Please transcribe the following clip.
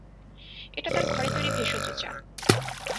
এটা তার ঘরে তৈরি ভেষজ চা।